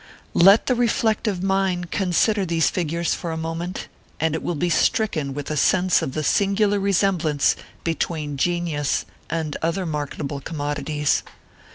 Let the reflective mind consider these figures for a moment, and it will be stricken with a sense of the singular resemblance between Genius and other mar o ketable commodities.